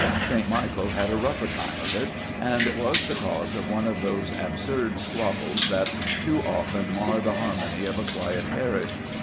St. Michael had a rougher time of it, and was the cause of one of those absurd squabbles that too often mar the harmony of a quiet parish.